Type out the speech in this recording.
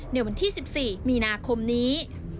ในวันที่๑๔มีนาคมนี้